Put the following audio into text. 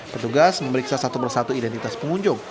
petugas memeriksa satu persatu identitas pengunjung